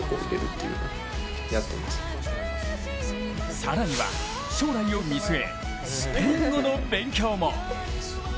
更には、将来を見据えスペイン語の勉強も。